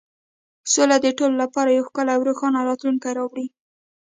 سوله د ټولو لپاره یو ښکلی او روښانه راتلونکی راوړي.